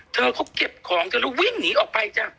เธอเขาเก็บของกันแล้ววิ่งหนีออกไปจ้ะ